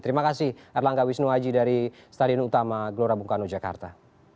terima kasih erlangga wisnuaji dari stadion utama gelora bung karno jakarta